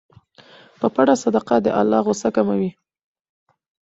په پټه صدقه د الله غصه کموي.